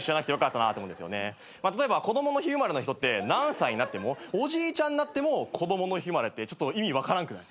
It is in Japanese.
例えばこどもの日生まれの人って何歳になってもおじいちゃんになってもこどもの日生まれって意味分からんくない？